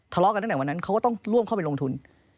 ทะเลาะกันตั้งแต่วันนั้นเขาก็ต้องร่วมเข้าไปลงทุน